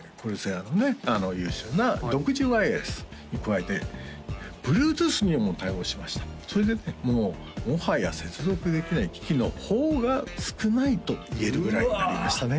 あの優秀な独自ワイヤレスに加えてＢｌｕｅｔｏｏｔｈにも対応しましたそれでねもうもはや接続できない機器の方が少ないと言えるぐらいになりましたね